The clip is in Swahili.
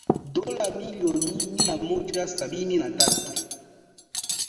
dola milioni mia moja sabini na tatu